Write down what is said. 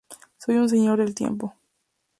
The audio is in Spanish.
Soy un Señor del Tiempo.